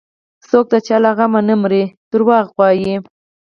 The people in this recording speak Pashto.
څوك د چا له غمه نه مري دروغ وايي